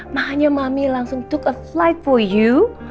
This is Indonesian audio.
makanya mami langsung took a flight for you